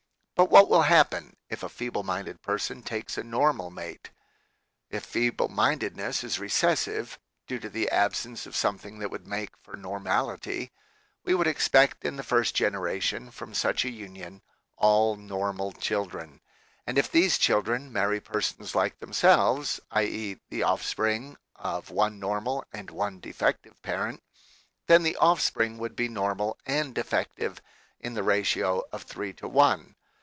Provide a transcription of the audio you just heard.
But what will happen if a feeble minded person takes a normal mate ? If feeble mindedness is recessive (due ii2 THE KALLIKAK FAMILY to the absence of something that would make for nor mality), we would expect in the first generation from such a union all normal children, and if these children marry persons like themselves, i.e. the offspring of one normal and one defective parent, then the offspring would be normal and defective in the ratio of three to one.